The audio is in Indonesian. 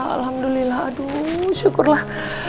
alhamdulillah aduh syukurlah